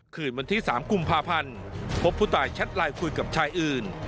คืนวันที่๓กุมภาพันธ์พบผู้ตายแชทไลน์คุยกับชายอื่น